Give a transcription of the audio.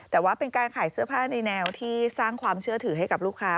แต่ว่าเป็นการขายเสื้อผ้าในแนวที่สร้างความเชื่อถือให้กับลูกค้า